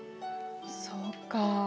そうかあ。